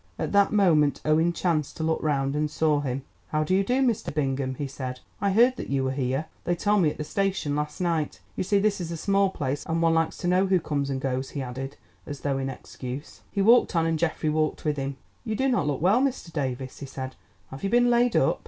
At that moment Owen chanced to look round and saw him. "How do you do, Mr. Bingham?" he said. "I heard that you were here. They told me at the station last night. You see this is a small place and one likes to know who comes and goes," he added as though in excuse. He walked on and Geoffrey walked with him. "You do not look well, Mr. Davies," he said. "Have you been laid up?"